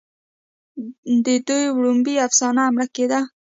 د دوي وړومبۍ افسانه " مړه ګيډه